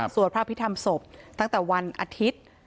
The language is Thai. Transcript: สวดพระพิธรรมศพตั้งแต่วันอาทิตย์